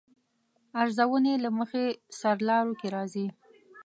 ارزونې له مخې سرلارو کې راځي.